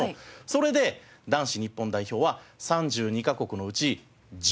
それで男子日本代表は３２カ国のうち１４位。